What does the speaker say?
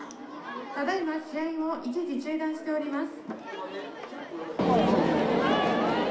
ただいま試合を一時中断しております。